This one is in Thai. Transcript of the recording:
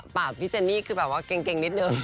ปากพี่เจนนี่คือแบบว่าเก่งนิดนึง